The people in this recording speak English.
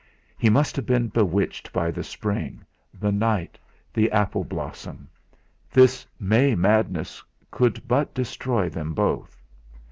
He must have been bewitched by the spring, the night, the apple blossom! This May madness could but destroy them both!